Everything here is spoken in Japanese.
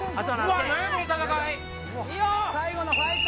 最後のファイト！